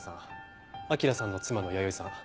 彰さんの妻の弥生さん。